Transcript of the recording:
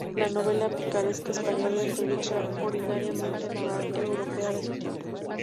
La novela picaresca española influyó extraordinariamente en la narrativa europea de su tiempo.